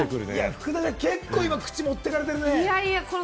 福田ちゃん、結構、口、持ってかれてるね。